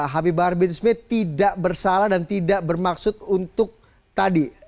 habib bahar bin smith tidak bersalah dan tidak bermaksud untuk tadi